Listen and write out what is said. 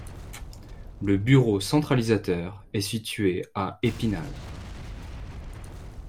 Le bureau centralisateur est situé à Épinal.